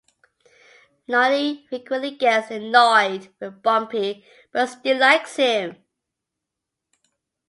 Noddy frequently gets annoyed with Bumpy but still likes him.